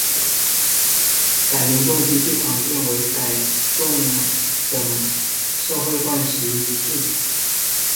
改名动机最常见为改运等社会惯习迷信。